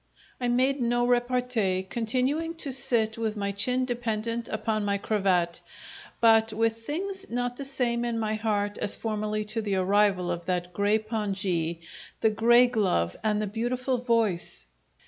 I made no repartee, continuing to sit with my chin dependent upon my cravat, but with things not the same in my heart as formerly to the arrival of that grey pongee, the grey glove, and the beautiful voice.